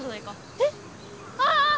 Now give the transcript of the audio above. えっ⁉ああっ！